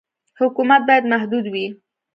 حکومت باید محدود وي.